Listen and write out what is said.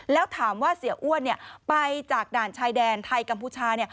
แล้วถามว่าเสียอ้วนไปจากด่านชายแดนไทยกัมพูชา